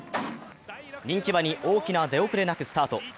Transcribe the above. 人気馬に大きな出遅れなくスタート。